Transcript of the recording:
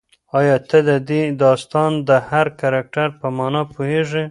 ایا ته د دې داستان د هر کرکټر په مانا پوهېږې؟